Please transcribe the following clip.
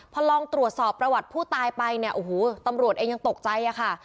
พอลองตรวจสอบประวัติผู้ตายไปตำรวจเองยังตกใจค่ะ